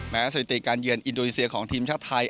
สถิติการเยือนอินโดนีเซียของทีมชาติไทย